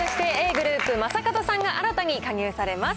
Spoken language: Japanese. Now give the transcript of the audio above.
ｇｒｏｕｐ・正門さんが新たに加入されます。